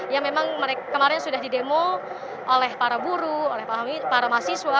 yang memang kemarin sudah di demo oleh para buruh oleh para mahasiswa